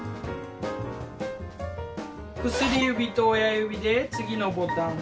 薬指と親指で次のボタン。